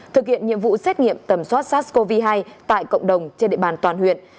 thực hiện nhiệm vụ xét nghiệm tầm soát sars cov hai tại cộng đồng trên địa bàn toàn huyện